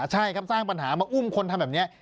ใช่ครับสร้างปัญหามาอุ้มคนทำแบบนี้